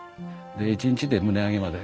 で一日で棟上げまで。